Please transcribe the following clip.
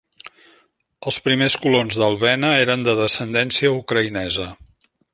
Els primers colons d'Alvena eren de descendència ucraïnesa.